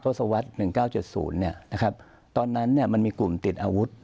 โต๊ะสวัสหนึ่งเก้าเจ็ดศูนย์เนี่ยนะครับตอนนั้นเนี่ยมันมีกลุ่มติดอาวุธ